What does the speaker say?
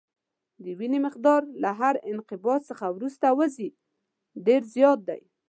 د وینې مقدار چې له هر انقباض څخه وروسته وځي ډېر زیات دی.